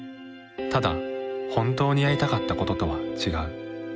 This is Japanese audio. ただ本当にやりたかったこととは違う。